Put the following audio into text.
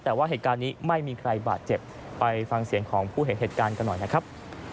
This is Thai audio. แต่ว่าเหตุการณ์นี้ไม่มีใครบาดเจ็บไปฟังเสียงของผู้เห็นเหตุการณ์กันหน่อยนะครับ